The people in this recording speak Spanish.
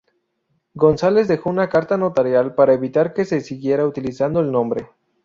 González dejó una carta notarial para evitar que se siguiera utilizando el nombre.